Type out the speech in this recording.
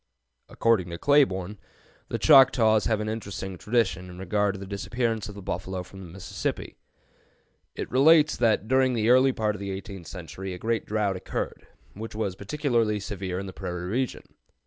] According to Claiborne, the Choctaws have an interesting tradition in regard to the disappearance of the buffalo from Mississippi. It relates that during the early part of the eighteenth century a great drought occurred, which was particularly severe in the prairie region.